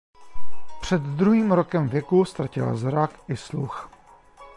Před druhým rokem věku ztratila zrak i sluch.